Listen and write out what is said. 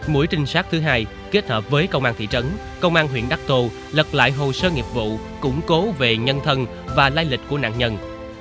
mũi trinh sát thứ hai kết hợp với công an thị trấn công an huyện đắc tô lập lại hồ sơ nghiệp vụ củng cố về nhân thân và lai lịch của nạn nhân